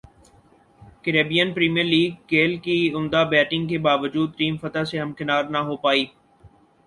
Caribbean premier league Gayle کی عمدہ batting کے باوجود ٹیم فتح سے ہمکنار نہ ہو پائی